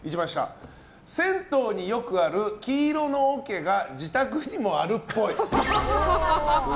銭湯によくある黄色の桶が自宅にもあるっぽい。